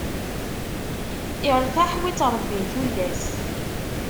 Iṛtaḥ wi ittṛebbin tullas.